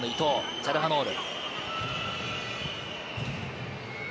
チャルハノール。